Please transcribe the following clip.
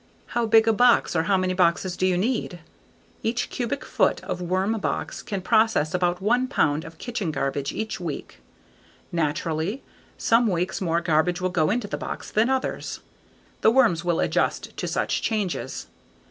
How big a box or how many boxes do you need? Each cubic foot of worm box can process about one pound of kitchen garbage each week. Naturally, some weeks more garbage will go into the box than others. The worms will adjust to such changes.